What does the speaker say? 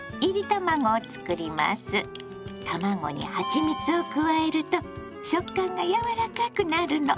卵にはちみつを加えると食感がやわらかくなるの。